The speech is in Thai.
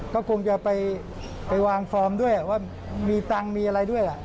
ก็คงจะไปวางฟอร์มด้วยว่ามีตังค์มีอะไรด้วย